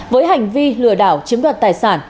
với hành vi lừa đảo chiếm đoạt tài sản